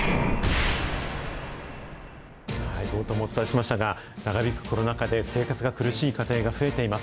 冒頭もお伝えしましたが、長引くコロナ禍で生活が苦しい家庭が増えています。